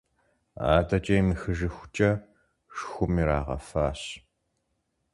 АдэкӀэ емыхыжыхукӀэ шхум ирагъэфащ…